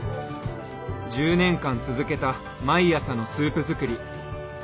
１０年間続けた毎朝のスープ作り。